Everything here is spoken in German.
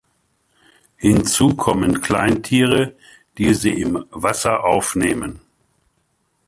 Hinzu kommen Kleintiere, die sie im Wasser aufnehmen.